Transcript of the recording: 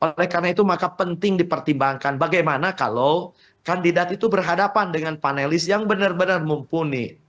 oleh karena itu maka penting dipertimbangkan bagaimana kalau kandidat itu berhadapan dengan panelis yang benar benar mumpuni